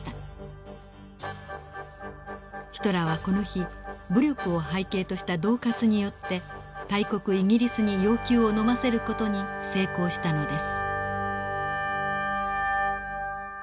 ヒトラーはこの日武力を背景とした恫喝によって大国イギリスに要求をのませる事に成功したのです。